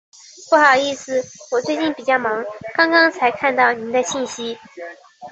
不好意思，我最近比较忙，刚刚才看到您的信息。